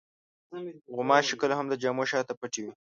غوماشې کله هم د جامو شاته پټې وي.